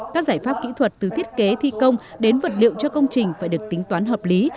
các giải pháp kỹ thuật từ thiết kế thi công đến vật liệu cho công trình phải được tính toán hợp lý